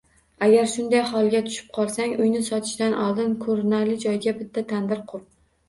Agar shunday holga tushib qolsang, uyni sotishdan oldin ko'rinarli joyga bitta tandir qur